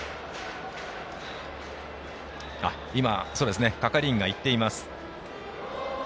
今、係員が行っています。